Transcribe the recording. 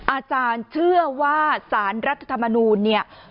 อาจารย์เชื่อว่าสารรัฐธรรมนูลเนี่ย